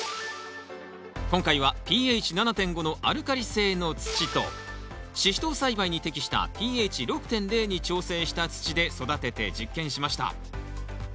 今回はｐＨ７．５のアルカリ性の土とシシトウ栽培に適したｐＨ６．０に調整した土で育てて実験しました。